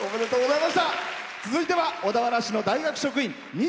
続いては小田原市の大学職員。